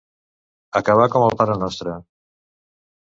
Acabar com el Pare Nostre.